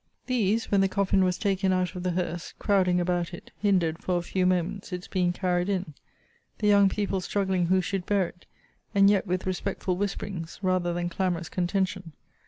These, when the coffin was taken out of the hearse, crowding about it, hindered, for a few moments, its being carried in; the young people struggling who should bear it; and yet, with respectful whisperings, rather than clamorous contention.